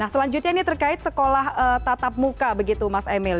nah selanjutnya ini terkait sekolah tatap muka begitu mas emil